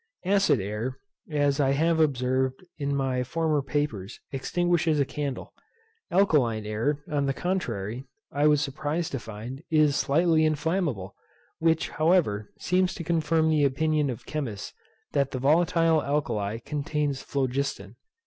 Acid air, as I have observed in my former papers, extinguishes a candle. Alkaline air, on the contrary, I was surprized to find, is slightly inflammable; which, however, seems to confirm the opinion of chemists, that the volatile alkali contains phlogiston.